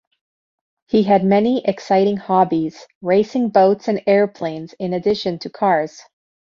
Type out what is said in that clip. He had many exciting hobbies: racing boats and airplanes in addition to cars.